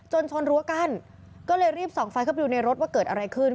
ชนรั้วกั้นก็เลยรีบส่องไฟเข้าไปดูในรถว่าเกิดอะไรขึ้น